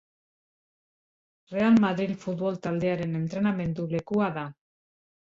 Real Madril futbol taldearen entrenamendu lekua da.